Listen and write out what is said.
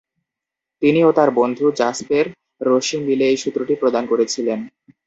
তিনি ও তার বন্ধু জাসপের রসি মিলে এই সূত্রটি প্রদান করেছিলেন।